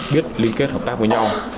biết liên kết hợp tác với nhau